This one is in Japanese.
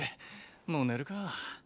もう寝るかあ